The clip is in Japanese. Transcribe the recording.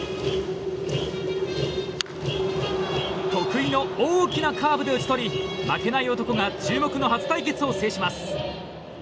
得意の大きなカーブで打ち取り負けない男が注目の初対決を制します。